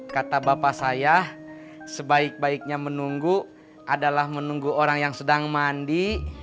kata bapak saya sebaik baiknya menunggu adalah menunggu orang yang sedang mandi